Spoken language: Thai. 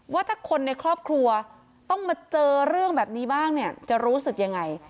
ว่าถ้าคนในครอบครัวต้องมาเจอเรื่องแบบนี้บ้างเนี่ยจะรู้สึกยังไง